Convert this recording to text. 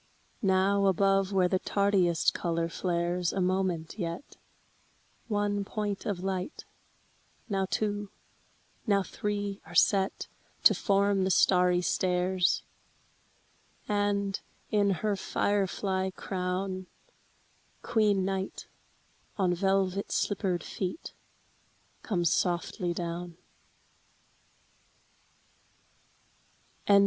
Now above where the tardiest color flares a moment yet, One point of light, now two, now three are set To form the starry stairs,— And, in her fire fly crown, Queen Night, on velvet slippered feet, comes softly down.